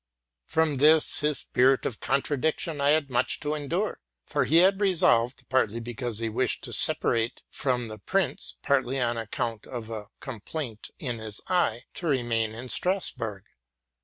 From this his spirit of contradiction I had much to endure ; for he had resolved, partly because he wished to separate from the prince, partly on account of a complaint in his eye, to remain in Strasburg.